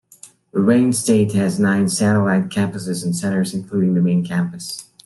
Roane State has nine satellite campuses and centers, including the main campus.